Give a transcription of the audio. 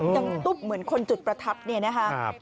ดังตุ๊บเหมือนคนจุดประทัดนี่นะครับ